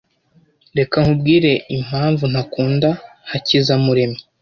Reka nkubwire impamvu ntakunda Hakizamuremyi